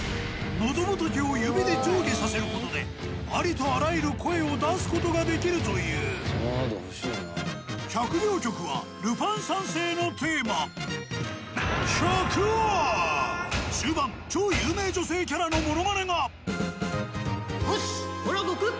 喉仏を指で上下させることでありとあらゆる声を出すことができるという１００秒曲は終盤超有名女性キャラのものまねがオスッ！